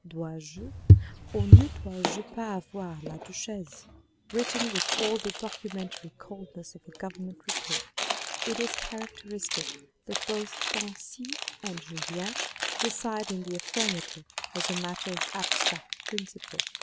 " Dois je ou ne dois je pas avoir la duchesse ?" written with all the documentary coldness of a Government report. It is characteristic that both Bansi and Julien decide in the affirmative as a matter of abstract principle.